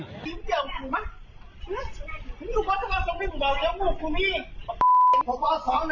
ต้องหลังไม่เกี่ยวต้องหลังไม่เกี่ยว